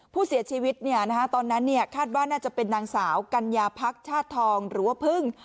ผู้เสียชีวิตตอนนั้นคาดว่าน่าจะเป็นนางสาวกัญญาพักชาติทองหรือว่าพึ่ง